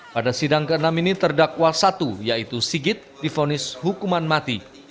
pada sidang ke enam ini terdakwa satu yaitu sigit difonis hukuman mati